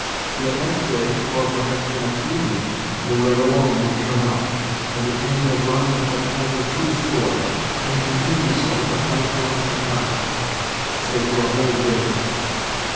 Yet, next day, or, perhaps, the next evening, the red alone would turn up, and attain a run of over two score, and continue so for quite a length of time—say, for a whole day.